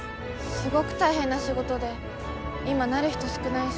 すごぐ大変な仕事で今なる人少ないし。